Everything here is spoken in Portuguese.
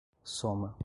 soma